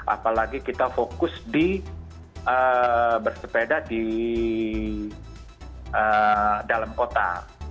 apalagi kita fokus di bersepeda di dalam kota